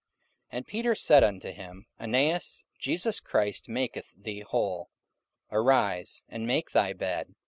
44:009:034 And Peter said unto him, Aeneas, Jesus Christ maketh thee whole: arise, and make thy bed.